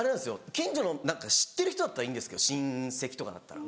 近所の何か知ってる人だったらいいんです親戚とかだったら。